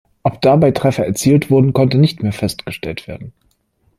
Ob dabei Treffer erzielt wurden, konnte nicht mehr festgestellt werden.